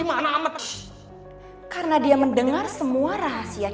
mau kemana sih